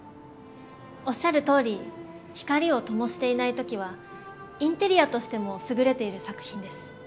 おっしゃるとおり光を灯していない時はインテリアとしても優れている作品です。